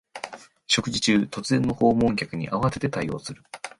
食事中、突然の訪問客に慌てて対応する